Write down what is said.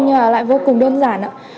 nhưng lại vô cùng đơn giản